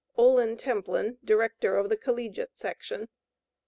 OLIN TEMPLIN, Director of the Collegiate Section.